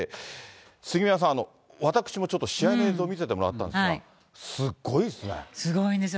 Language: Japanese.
杉山さん、私もちょっと試合の映像見せてもらったんですが、すごいですね。